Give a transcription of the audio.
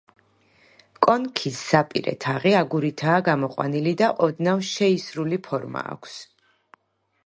კონქის საპირე თაღი აგურითაა გამოყვანილი და ოდნავ შეისრული ფორმა აქვს.